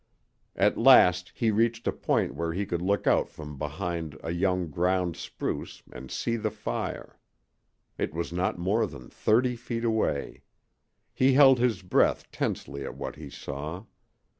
At last he reached a point where he could look out from behind a young ground spruce and see the fire. It was not more than thirty feet away. He held his breath tensely at what he saw.